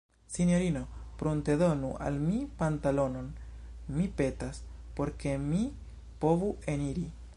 Sinjorino, pruntedonu al mi pantalonon, mi petas, por ke mi povu eniri.